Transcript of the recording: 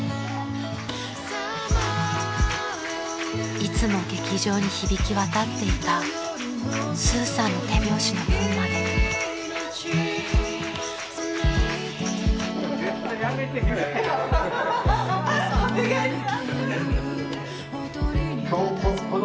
［いつも劇場に響き渡っていたスーさんの手拍子の分まで］おめでとうございました。